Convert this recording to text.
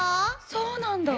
そうなんだ。